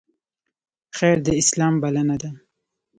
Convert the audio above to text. خیر د اسلام بلنه ده